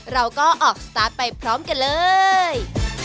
เราก็ออกสตาร์ทไปพร้อมกันเลย